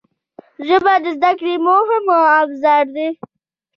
ژبه د زده کړې مهم ابزار دی